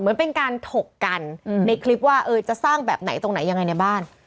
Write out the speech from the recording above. เหมือนเป็นการถกกันในคลิปว่าเออจะสร้างแบบไหนตรงไหนยังไงในบ้าน